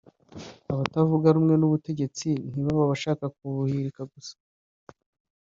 abatavuga rumwe n’ubutegetsi ntibabe abashaka kubuhirika gusa